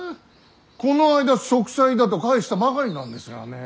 こないだ息災だと返したばかりなんですがね。